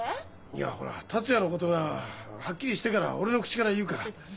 いやほら達也のことがはっきりしてから俺の口から言うから。